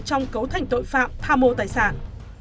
trong cấu thành tội phạm tha mô tài sản